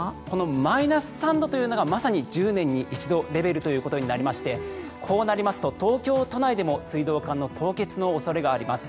マイナス３度というのがまさに１０年に一度レベルということになりましてこうなりますと東京都内でも水道管の凍結の恐れがあります。